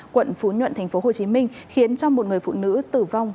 quận phú nhuận tp hcm khiến cho một người phụ nữ tử vong